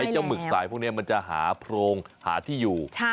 เจ้าหมึกสายพวกนี้มันจะหาโพรงหาที่อยู่